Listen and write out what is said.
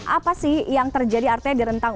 apa sih yang terjadi artinya di rentang